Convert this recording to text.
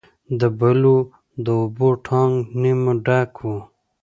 د بلو د اوبو ټانک نیمه ډک و.